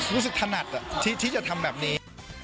ถนัดที่จะทำแบบนี้